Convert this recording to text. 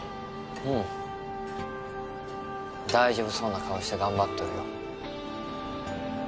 うん大丈夫そうな顔して頑張っとるよ